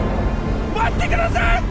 待ってください‼